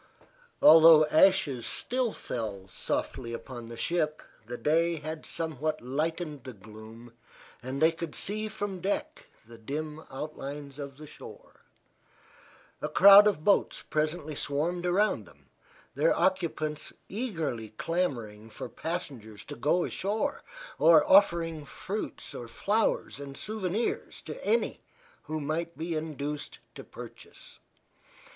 Although ashes still fell softly upon the ship the day had somewhat lightened the gloom and they could see from deck the dim outlines of the shore. A crowd of boats presently swarmed around them, their occupants eagerly clamoring for passengers to go ashore, or offering fruits, flowers and souvenirs to any who might be induced to purchase.